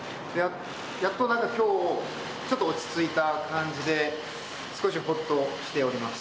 やっとなんかきょう、ちょっと落ち着いた感じで、少しほっとしております。